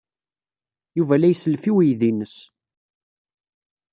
Yuba la isellef i weydi-nnes.